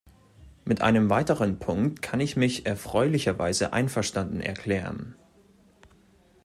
Mit einem weiteren Punkt kann ich mich erfreulicherweise einverstanden erklären.